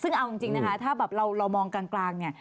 ซึ่งเอาจริงถ้าเรามองกลาง